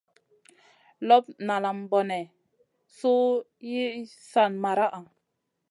Lop nalam bone su yi san maraʼha?